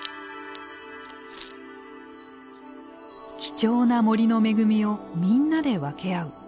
貴重な森の恵みをみんなで分け合う。